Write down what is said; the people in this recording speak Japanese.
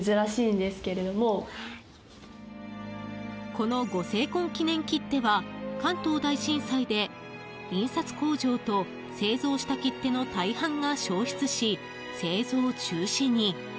このご成婚記念切手は関東大震災で、印刷工場と製造した切手の大半が焼失し製造中止に。